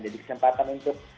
jadi kesempatan untuk